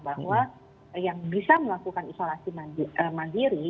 bahwa yang bisa melakukan isolasi mandiri